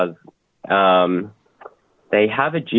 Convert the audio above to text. mereka memiliki tahap remaja